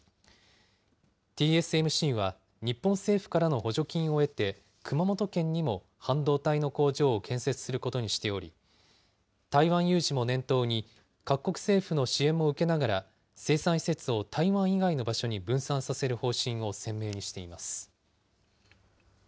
ＴＳＭＣは日本政府からの補助金を得て、熊本県にも半導体の工場を建設することにしており、台湾有事も念頭に、各国政府の支援も受けながら、生産施設を台湾以外の場所に分散させる方針を鮮明にしています。